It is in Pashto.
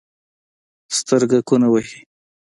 سترګکونه وهي